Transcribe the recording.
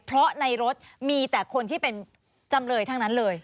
เพราะในรถมีแต่คนที่เป็นจำเลยทั้งนั้นเลย